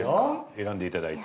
選んでいただいて。